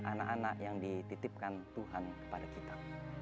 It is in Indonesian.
anak anak yang dititipkan tuhan kepada kita